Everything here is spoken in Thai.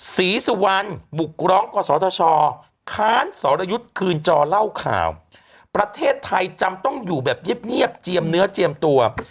ศรีสุวรรณบุกร้องกศธชค้านสรยุทธ์คืนจอเล่าข่าวประเทศไทยจำต้องอยู่แบบเงียบเจียมเนื้อเจียมตัว